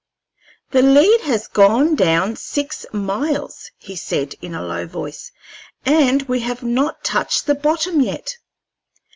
"The lead has gone down six miles," he said, in a low voice, "and we have not touched the bottom yet."